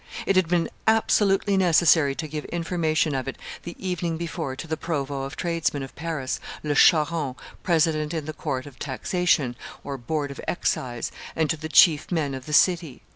It had been absolutely necessary to give information of it the evening before to the provost of tradesmen of Paris, Le Charron, president in the court of taxation (Board of Excise), and to the chief men of the city.